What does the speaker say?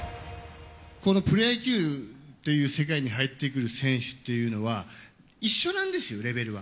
このプロ野球という世界に入ってくる選手っていうのは、一緒なんですよ、レベルは。